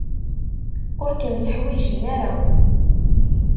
Ur kem-tteḥwijin ara.